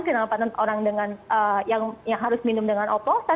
kenapa orang yang harus minum dengan oposan